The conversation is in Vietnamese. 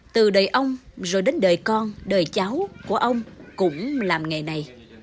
từ đời ông rồi đến đời con đời cháu của ông cũng làm nghề này